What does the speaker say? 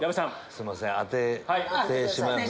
すいません当ててしまいます。